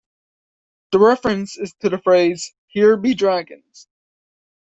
The reference is to the phrase "Here be dragons".